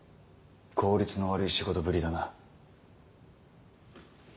効率の悪い仕事ぶりだな。